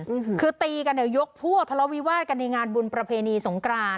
อืมคือตีกันเนี่ยยกพวกทะเลาวิวาสกันในงานบุญประเพณีสงกราน